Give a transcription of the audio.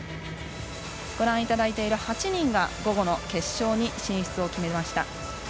ご覧いただいた８人が午後の決勝に進出を決めました。